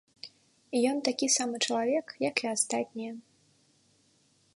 Ён такі самы чалавек, як і астатнія.